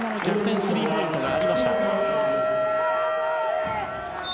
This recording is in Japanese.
スリーポイントがありました。